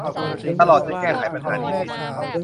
ตลอดจนแก้ไขปัญหาหนี้สิน